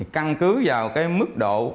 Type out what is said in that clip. căn cứ vào cái mức độ